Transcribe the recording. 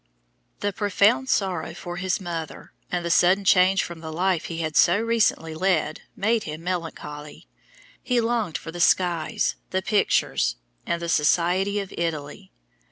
The profound sorrow for his mother, and the sudden change from the life he had so recently led made him melancholy. He longed for the skies, the pictures, and the society of Italy.